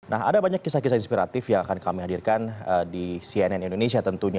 nah ada banyak kisah kisah inspiratif yang akan kami hadirkan di cnn indonesia tentunya